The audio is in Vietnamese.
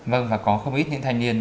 vâng và có không ít những thanh niên